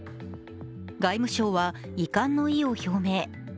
外務省は遺憾の意を表明。